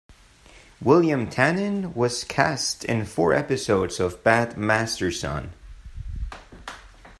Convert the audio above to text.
William Tannen was cast in four episodes of "Bat Masterson".